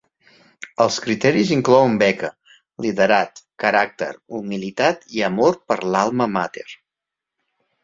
Els criteris inclouen beca, liderat, caràcter, humilitat i amor per l'"alma mater".